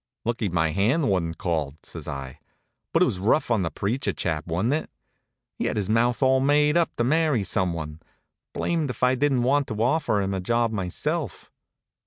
"Lucky my hand wa'n't called," says I. "But it was rough on the preacher chap, wa'n't it? He had his mouth all made up to marry some one. Blamed if I didn't want to offer him a job myself."